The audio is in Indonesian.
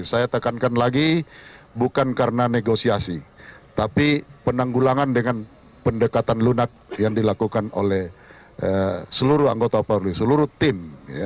saya tekankan lagi bukan karena negosiasi tapi penanggulangan dengan pendekatan lunak yang dilakukan oleh seluruh anggota polri seluruh tim